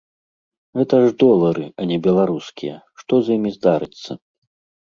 Гэта ж долары, а не беларускія, што з імі здарыцца?